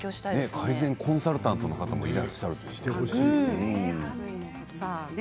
改善コンサルタントの方もいらっしゃる。